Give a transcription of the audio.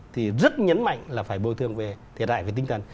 thì rất nhấn mạnh là phải bồi thương về thiệt hại về tinh thần